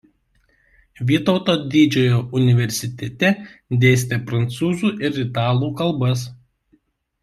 Vytauto Didžiojo universitete dėstė prancūzų ir italų kalbas.